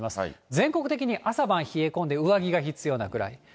全国的に朝晩冷え込んで、上着が必要なくらい。